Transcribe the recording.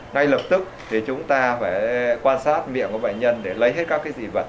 ngay lập tức thì chúng ta phải quan sát miệng của bệnh nhân để lấy hết các dị vật